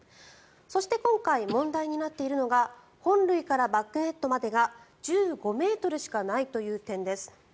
そして今回問題になっているのが本塁からバックネットまでが１５ｍしかないという点です。